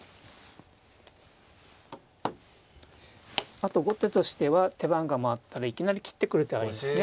あと後手としては手番が回ったらいきなり切ってくる手ありますね。